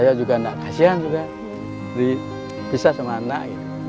saya juga tidak kasihan juga bisa sama anak